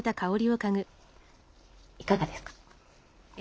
いかがですか？